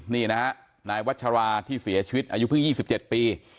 นี่นะฮะนายวัชราที่เสียชีวิตอายุเพิ่ง๒๗ปี